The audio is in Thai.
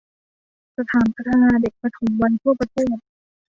สถานพัฒนาเด็กปฐมวัยทั่วประเทศ